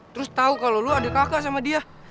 terus tau kalo lo adik kakak sama dia